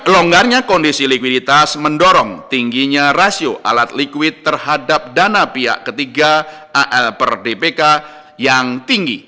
longgarnya kondisi likuiditas mendorong tingginya rasio alat likuid terhadap dana pihak ketiga al per dpk yang tinggi